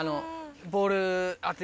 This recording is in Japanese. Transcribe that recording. ボール当て。